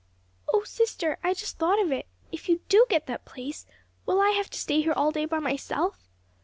"O sister! I just thought of it. If you do get that place, will I have to stay here all day by myself?"